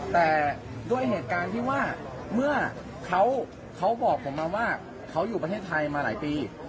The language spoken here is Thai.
แต่ด้วยเหตุการณ์ที่ว่าเมื่อเขาบอกผมมาว่าเขาอยู่ประเทศไทยมาหลายปี